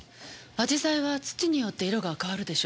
紫陽花は土によって色が変わるでしょう。